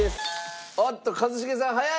おっと一茂さん早い！